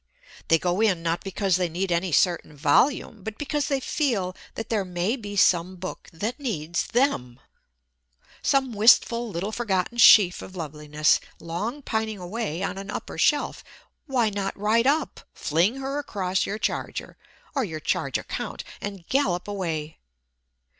They go in not because they need any certain volume, but because they feel that there may be some book that needs them. Some wistful, little forgotten sheaf of loveliness, long pining away on an upper shelf why not ride up, fling her across your charger (or your charge account), and gallop away.